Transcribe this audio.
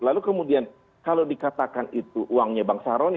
lalu kemudian kalau dikatakan itu uangnya bang saroni